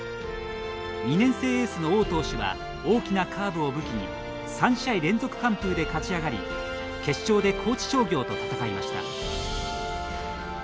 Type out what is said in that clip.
２年生エースの王投手は大きなカーブを武器に３試合連続完封で勝ち上がり決勝で高知商業と戦いました。